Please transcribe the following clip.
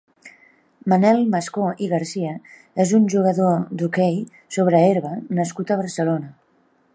Manel Mascó i Garcia és un jugador d'hoquei sobre herba nascut a Barcelona.